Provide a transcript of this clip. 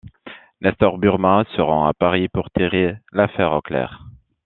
Nestor Burma se rend à Paris pour tirer l’affaire au clair.